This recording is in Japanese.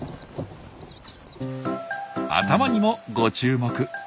頭にもご注目。